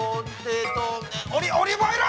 オリーブオイル！